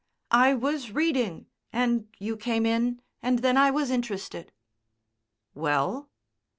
"I was reading, and you came in and then I was interested." "Well?"